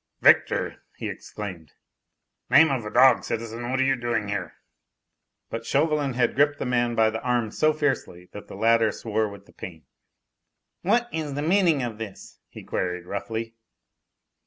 "Victor!" he exclaimed. "Name of a dog, citizen, what are you doing here?" But Chauvelin had gripped the man by the arm so fiercely that the latter swore with the pain. "What is the meaning of this?" he queried roughly.